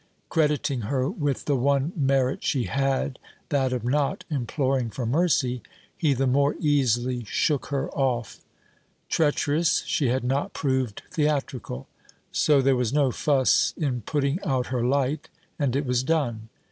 Crediting her with the one merit she had that of not imploring for mercy he the more easily shook her off. Treacherous, she had not proved theatrical. So there was no fuss in putting out her light, and it was done.